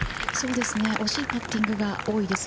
惜しいパッティングが多いです。